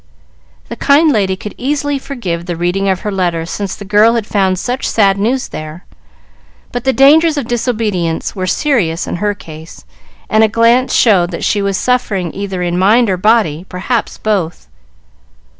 The kind lady could easily forgive the reading of her letter since the girl had found such sad news there, but the dangers of disobedience were serious in her case, and a glance showed that she was suffering either in mind or body perhaps both.